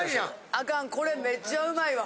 アカンこれめっちゃうまいわ。